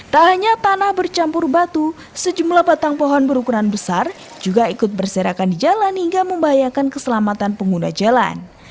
tak hanya tanah bercampur batu sejumlah batang pohon berukuran besar juga ikut berserakan di jalan hingga membahayakan keselamatan pengguna jalan